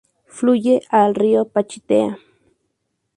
Fluye al río Pachitea.